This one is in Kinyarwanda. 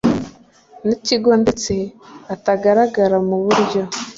n ikigo ndetse atagaragara mu buryo